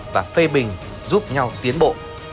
và phê bình giúp nhau tiến bộ